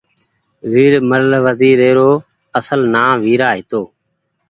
ويرمل وزير ري رو اصل نآم ويرا هيتو